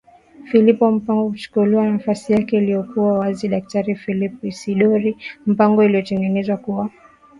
philipo mpango kuchukua nafasi yake iliyokuwa waziDaktari Philip Isidory Mpango aliyetangazwa kuwa Makamu